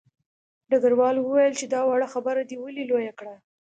ډګروال وویل چې دا وړه خبره دې ولې لویه کړه